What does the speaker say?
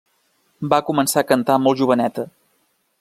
Va començar a cantar molt joveneta.